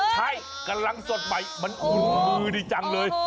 ใช่กำลังสดใหม่มันอุ่นมือดีจังเลย